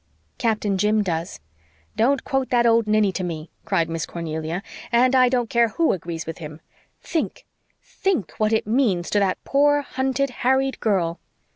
"Captain Jim does." "Don't quote that old ninny to me," cried Miss Cornelia. "And I don't care who agrees with him. Think THINK what it means to that poor hunted, harried girl."